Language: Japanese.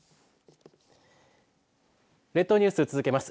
列島ニュース、続けます。